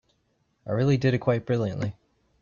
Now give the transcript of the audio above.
I really did it quite brilliantly.